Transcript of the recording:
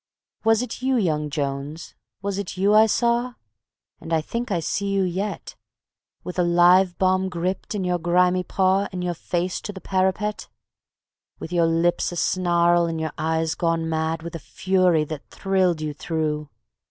... _"Was it you, young Jones, was it you I saw (And I think I see you yet) With a live bomb gripped in your grimy paw And your face to the parapet? With your lips asnarl and your eyes gone mad With a fury that thrilled you through.